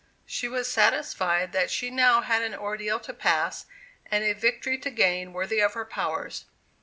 She was satisfied that she now had an ordeal to pass and a victory to gain worthy of her powers.